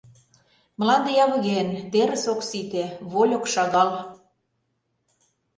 Мланде явыген, терыс ок сите, вольык шагал.